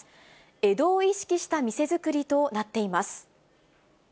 江戸を意識した店作りとなっています。